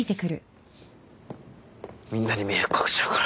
みんなに迷惑掛けちゃうから。